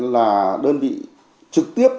là đơn vị trực tiếp